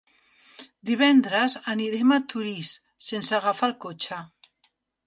Divendres anirem a Torís sense agafar el cotxe.